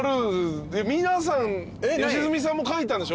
良純さんも書いたんでしょ？